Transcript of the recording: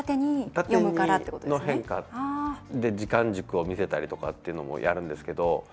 縦の変化で時間軸を見せたりとかっていうのもやるんですけど。